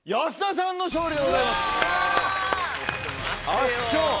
圧勝。